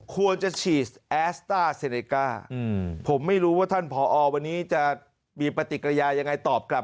ควรจะฉีดแอสต้าเซเนก้าผมไม่รู้ว่าท่านผอวันนี้จะมีปฏิกิริยายังไงตอบกลับ